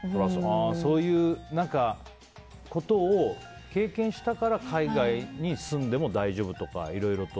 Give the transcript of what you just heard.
そういうことを経験したから海外に住んでも大丈夫とか、いろいろと。